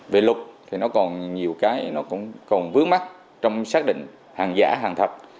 về lục thì nó còn nhiều cái nó còn vướng mắt trong xác định hàng giả hàng thật